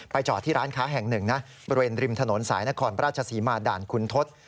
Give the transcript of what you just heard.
จอดที่ร้านค้าแห่งหนึ่งนะบริเวณริมถนนสายนครราชศรีมาด่านคุณทศ